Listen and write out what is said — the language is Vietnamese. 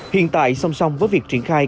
hiện tại song song với việc triển khai